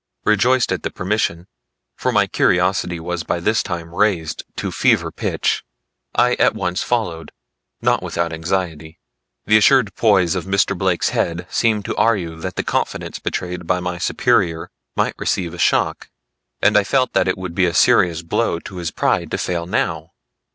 Rejoiced at the permission, for my curiosity was by this time raised to fever pitch, I at once followed. Not without anxiety. The assured poise of Mr. Blake's head seemed to argue that the confidence betrayed by my superior might receive a shock; and I felt it would be a serious blow to his pride to fail now.